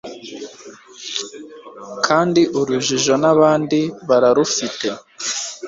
kandi urujijo nabandi bararufite